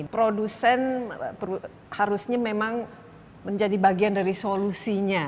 produsen harusnya memang menjadi bagian dari solusinya